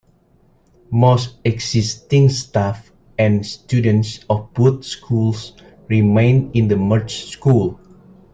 Most existing staff and students of both schools remained in the merged school.